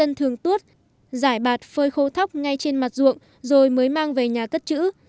tập đoàn thương tuốt giải bạt phơi khô thóc ngay trên mặt ruộng rồi mới mang về nhà cất chữ